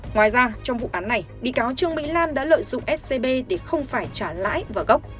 ngoài ra trong vụ án này bị cáo trương mỹ lan đã lợi dụng scb để không phải trả lãi và gốc